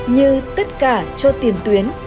như tất cả cho tiền tuyến